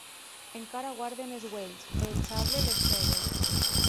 Encara guarden es uelhs, e eth sable les cègue.